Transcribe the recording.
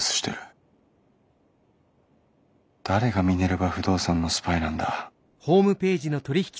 誰がミネルヴァ不動産のスパイなんだ。